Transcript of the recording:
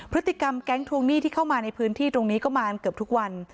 พฤติกรรมแก๊งทวงหนี้ที่เข้ามาในพื้นที่ตรงนี้ก็มาเกือบทุกวัน